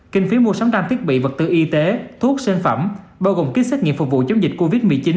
kinh phí mua sắm trang thiết bị vật tư y tế thuốc sinh phẩm bao gồm kích xét nghiệm phục vụ chống dịch covid một mươi chín